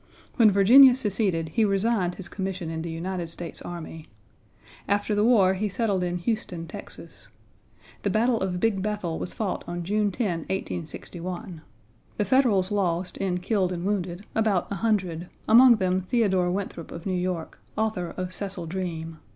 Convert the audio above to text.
When Virginia seceded, he resigned his commission in the United States Army. After the war he settled in Houston, Texas. The battle of Big Bethel was fought on June 10, 1861. The Federals lost in killed and wounded about 100, among them Theodore Winthrop, of New York, author of Cecil Dreeme.